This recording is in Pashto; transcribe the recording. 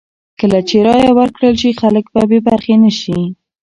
کله چې رایه ورکړل شي، خلک به بې برخې نه شي.